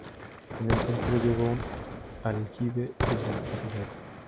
En el centro lleva un aljibe de gran capacidad.